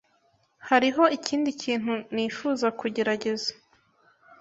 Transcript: Hariho ikindi kintu nifuza kugerageza.